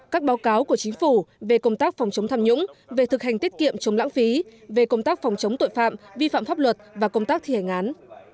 các báo cáo của chính phủ về công tác phòng chống tham nhũng về thực hành tiết kiệm chống lãng phí về công tác phòng chống tội phạm vi phạm pháp luật và công tác thi hành án